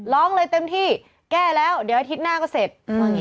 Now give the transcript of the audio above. ร้องเลยเต็มที่แก้แล้วเดี๋ยวอาทิตย์หน้าก็เสร็จ